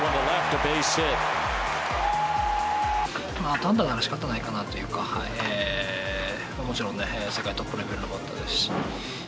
単打ならしかたないかなというか、もちろんね、世界トップレベルのバッターですし。